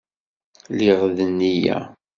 Lliɣ d nneyya.